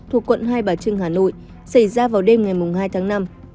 thuộc quận hai bà trưng hà nội xảy ra vào đêm ngày hai tháng năm